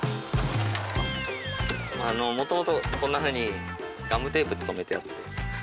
もともとこんなふうにガムテープで留めてあって。